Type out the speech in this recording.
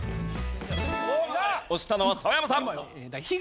押したのは澤山さん。